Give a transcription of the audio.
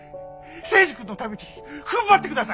征二君のためにふんばってください！